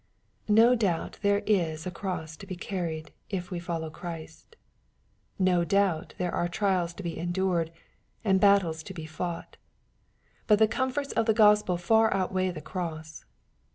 No doubt there is a cross to be carried, if we follow Christ No doubt there are trials to be en dured, and battles to be fought. But the comforts of the Gospel far outweigh the cross.